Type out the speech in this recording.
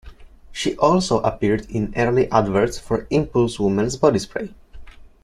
She also appeared in early adverts for Impulse women's body spray.